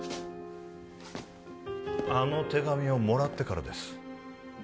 あの手紙をもらってからです